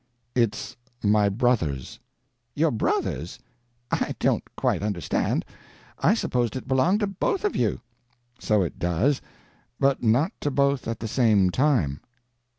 "It's my brother's." "Your brother's! I don't quite understand. I supposed it belonged to both of you." "So it does. But not to both at the same time."